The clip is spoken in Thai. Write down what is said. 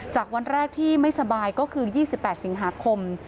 วันแรกที่ไม่สบายก็คือ๒๘สิงหาคม